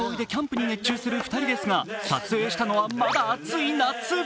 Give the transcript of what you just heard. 秋の装いでキャンプに熱中する２人ですが撮影したのはまだ暑い夏。